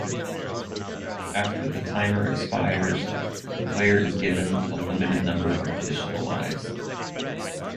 After the timer expires, the player is given a limited number of additional lives.